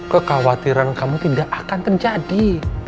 kekhawatiran kamu tidak akan terjadi